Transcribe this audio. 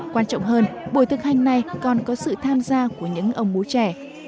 quan trọng hơn buổi thực hành này còn có sự tham gia của những ông bú trẻ